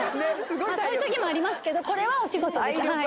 そういうときもありますけどこれはお仕事です。